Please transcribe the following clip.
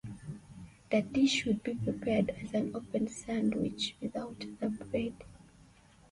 The dish would be prepared as an open sandwich, without the bread.